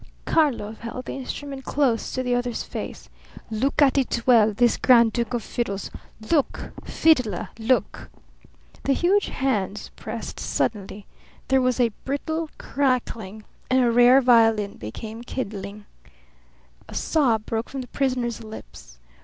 Karlov held the instrument close to the other's face. "Look at it well, this grand duke of fiddles. Look, fiddler, look!" The huge hands pressed suddenly. There was brittle crackling, and a rare violin became kindling. A sob broke from the prisoner's lips.